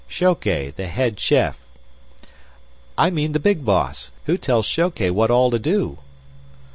"Shoke, the head chef." "I mean the big boss. Who tells Shoke what all to do?"